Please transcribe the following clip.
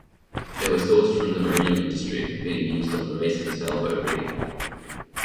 They were sourced from the marine industry, being used on racing sailboat rigging.